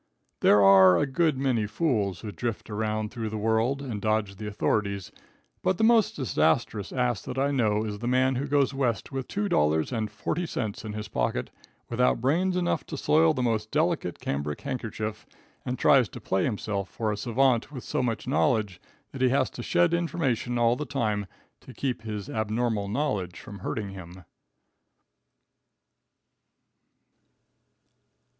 There are a good many fools who drift around through the world and dodge the authorities, but the most disastrous ass that I know is the man who goes West with two dollars and forty cents in his pocket, without brains enough to soil the most delicate cambric handkerchief, and tries to play himself for a savant with so much knowledge that he has to shed information all the time to keep his abnormal knowledge from hurting him.